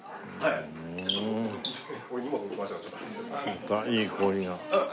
またいい氷が。